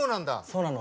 そうなの。